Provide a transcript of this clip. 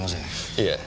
いえ。